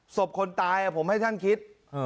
คนตายผมให้ท่านคิด